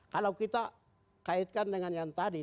kalau kita kaitkan dengan yang tadi